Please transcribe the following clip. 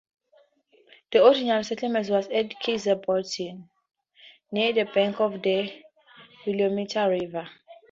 The original settlement was at Keizer Bottom, near the banks of the Willamette River.